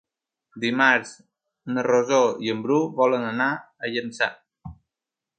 Dimarts na Rosó i en Bru volen anar a Llançà.